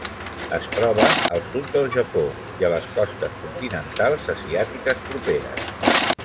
Es troba al sud del Japó i a les costes continentals asiàtiques properes.